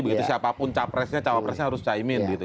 begitu siapapun capresnya cawapresnya harus caimin gitu